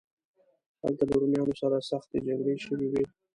هلته له رومیانو سره سختې جګړې شوې وې.